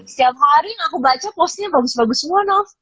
setiap hari yang aku baca postnya bagus bagus semua nof